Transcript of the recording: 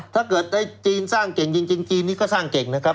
ถ้าเกิดได้จีนสร้างเก่งจริงจีนนี้ก็สร้างเก่งนะครับ